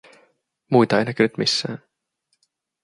Muita ei näkynyt missään.